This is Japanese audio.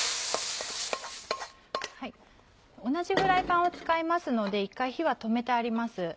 同じフライパンを使いますので一回火は止めてあります。